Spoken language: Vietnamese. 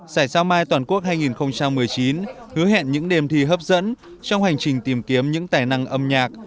giải sao mai toàn quốc hai nghìn một mươi chín hứa hẹn những đềm thi hấp dẫn trong hành trình tìm kiếm những tài năng âm nhạc